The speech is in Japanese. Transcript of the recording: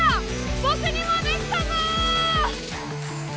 ぼくにもできたぞ！